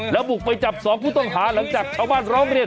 แล้วบุกไปจับสองผู้ต้องหาหลังจากชาวบ้านร้องเรียน